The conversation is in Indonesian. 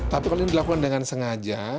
tapi kalau ini dilakukan dengan sengaja